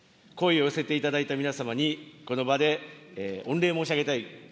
声を寄せていただいた皆様に、この場で御礼を申し上げたい。